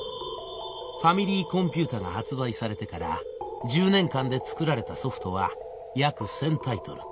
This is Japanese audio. ファミリーコンピュータが発売されてから１０年間で作られたソフトは約１０００タイトル